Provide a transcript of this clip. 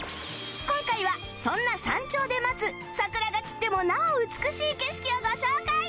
今回はそんな山頂で待つ桜が散ってもなお美しい景色をご紹介！